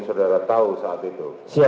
saudara tau saat itu